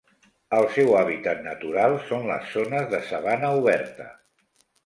El seu hàbitat natural són les zones de sabana oberta.